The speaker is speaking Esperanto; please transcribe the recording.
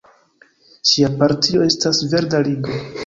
Ŝia partio estas Verda Ligo.